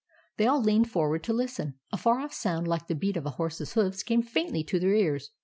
They all leaned forward to listen. A far off sound like the beat of a horse's hoofs came faintly to their ears.